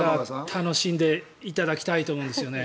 楽しんでいただきたいと思うんですよね。